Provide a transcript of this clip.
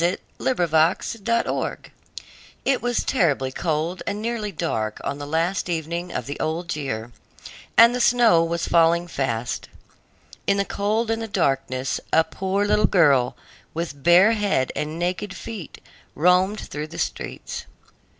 THE LITTLE MATCH SELLER It was terribly cold and nearly dark on the last evening of the old year, and the snow was falling fast. In the cold and the darkness, a poor little girl, with bare head and naked feet, roamed through the streets.